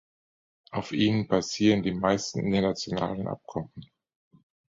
Auf ihnen basieren die meisten internationalen Abkommen.